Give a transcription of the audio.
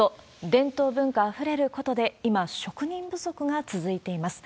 伝統文化あふれる古都で、今、職人不足が続いています。